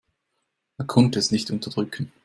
Er konnte es nicht unterdrücken.